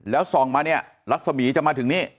แล้วส่องมาเนี่ยรัศมีร์จะมาถึงนี่